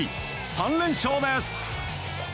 ３連勝です。